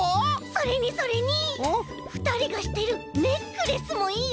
それにそれにふたりがしてるネックレスもいいよね。